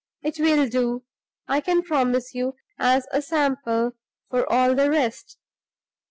It will do, I can promise you, as a sample for all the rest.